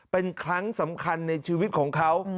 เป็นครั้งสำคัญในชีวิตของเขา